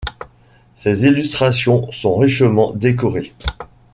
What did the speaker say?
Ses illustrations sont richement décorées.